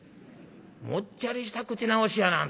もっちゃりした口直しやなあんた。